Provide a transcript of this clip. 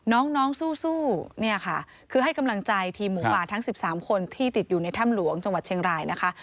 น้องสู้เนี่ยค่ะคือให้กำลังใจทีมหมูป่าทั้ง๑๓คนที่ติดอยู่ในถ้ำหลวงจังหวัดเชียงรายนะคะ